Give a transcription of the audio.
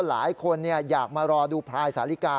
หลายคนอยากมารอดูพลายสาลิกา